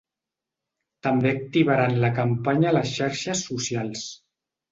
També activaran la campanya a les xarxes socials.